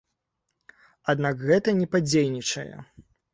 Аднак гэта не падзейнічае.